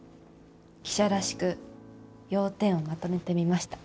記者らしく要点をまとめてみました。